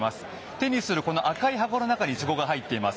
手にする赤い箱の中にイチゴが入っています。